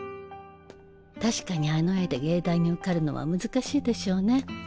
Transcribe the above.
確かにあの絵で藝大に受かるのは難しいでしょうね。